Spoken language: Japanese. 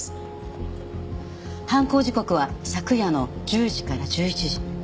犯行時刻は昨夜の１０時から１１時。